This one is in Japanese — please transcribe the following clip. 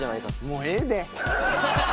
もうええで？